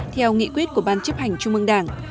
theo nghị quyết của ban chấp hành trung ương đảng